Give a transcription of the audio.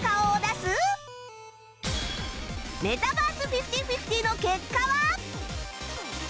メタバース ５０：５０ の結果は？